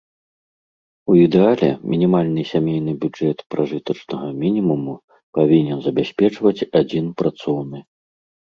У ідэале, мінімальны сямейны бюджэт пражытачнага мінімуму павінен забяспечваць адзін працоўны.